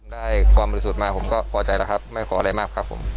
ได้ความบริสุทธิ์มาผมก็พอใจแล้วครับไม่ขออะไรมากครับผม